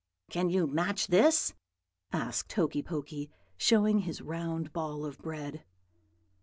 "'Can you match this?' asked Hokey Pokey, showing his round ball of bread.